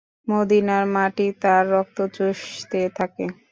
মদীনার মাটি তার রক্ত চুষতে থাকে।